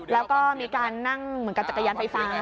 แล้วก็มีการนั่งเหมือนกับจักรยานไฟฟ้า